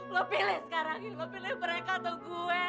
lo pilih sekarang nih lo pilih mereka atau gue